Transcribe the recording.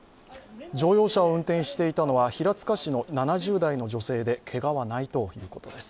乗用車を運転していたのは平塚市の７０代の女性でけがはないということです。